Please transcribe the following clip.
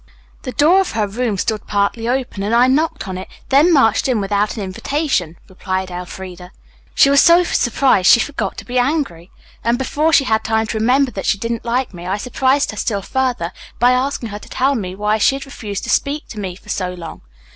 "The door of her room stood partly open and I knocked on it, then marched in without an invitation," replied Elfreda. "She was so surprised she forgot to be angry, and before she had time to remember that she didn't like me I surprised her still further by asking her to tell me why she had refused to speak to me for so long.